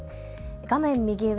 画面右上